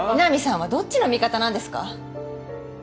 江波さんはどっちの味方なんですか？